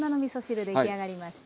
出来上がりました。